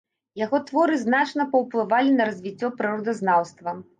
Яго творы значна паўплывалі на развіццё прыродазнаўства.